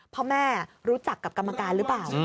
พ่อแม่รู้จักกับกรรมการหรือเปล่า